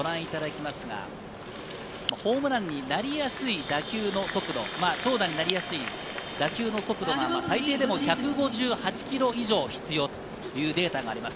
ホームランになりやすい打球の速度、長打になりやすい打球の速度が最低でも１５８キロ以上必要というデータがあります。